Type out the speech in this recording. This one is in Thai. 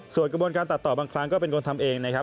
ส่วนกระบวนการตัดต่อบางครั้งก็เป็นคนทำเองนะครับ